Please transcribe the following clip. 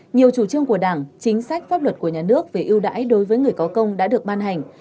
nhiều chủ trương của đảng chính sách pháp luật của nhà nước về ưu đãi đối với người có công đã được ban hành